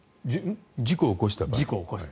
事故を起こした場合。